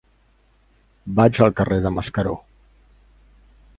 Vaig al carrer de Mascaró.